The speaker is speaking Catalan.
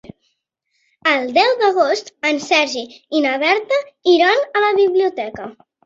El deu d'agost en Sergi i na Berta iran a la biblioteca.